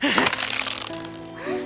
えっ！